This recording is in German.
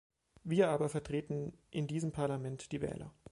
Wir aber vertreten in diesem Parlament die Wähler.